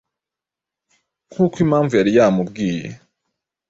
nk'uko Impamvu yari yamubwiye.